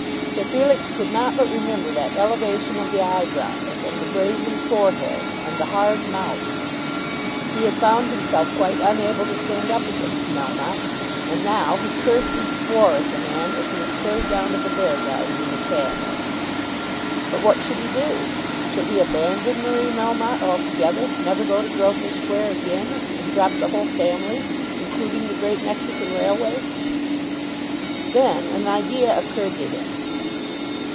Sir Felix could not but remember that elevation of the eyebrows, and the brazen forehead, and the hard mouth. He had found himself quite unable to stand up against Melmotte, and now he cursed and swore at the man as he was carried down to the Beargarden in a cab. But what should he do? Should he abandon Marie Melmotte altogether, never go to Grosvenor Square again, and drop the whole family, including the Great Mexican Railway? Then an idea occurred to him.